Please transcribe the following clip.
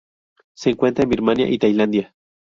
Se encuentra en Birmania y Tailandia.